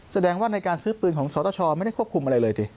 แสดงว่าในการซื้อปืนของสตชไม่ได้ควบคุมอะไรเลยสิ